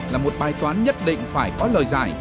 là một bài toán nhất định phải có lời giải